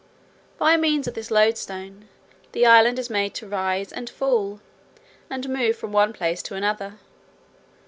By means of this loadstone, the island is made to rise and fall, and move from one place to another.